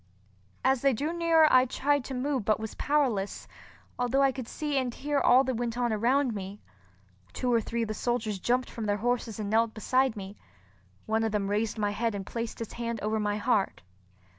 As they drew nearer I tried to move but was powerless, although I could see and hear all that went on around me. Two or three of the soldiers jumped from their horses and knelt beside me. One of them raised my head and placed his hand over my heart.